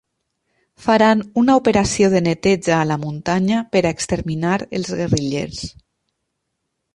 Faran una operació de neteja a la muntanya per exterminar els guerrillers.